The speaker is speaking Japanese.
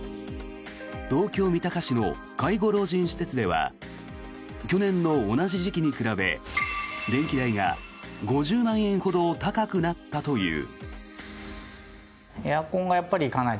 東京・三鷹市の介護老人施設では去年の同じ時期に比べ電気代が５０万円ほど高くなったという。